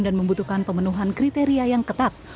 dan membutuhkan pemenuhan kriteria yang ketat